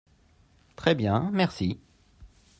Très bien, merci.